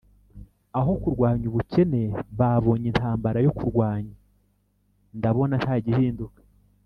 aho kurwanya ubukene babonye intambara yo kurwanya ndabona nta gihinduka